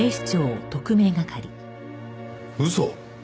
嘘？